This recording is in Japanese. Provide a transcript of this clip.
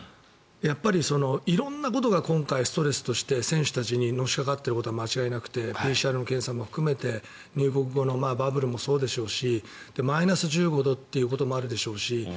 ただ、色んなことが今回ストレスとして、選手たちにのしかかっていることは間違いなくてＰＣＲ検査も含めて入国後のバブルもそうでしょうしマイナス１５度ということもあるでしょうし